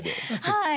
はい。